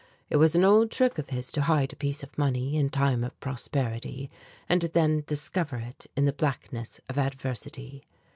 It was an old trick of his to hide a piece of money in time of prosperity, and then discover it in the blackness of adversity.